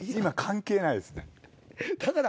今関係ないですね。